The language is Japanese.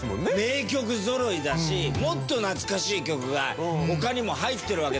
名曲ぞろいだしもっと懐かしい曲が他にも入ってるわけ。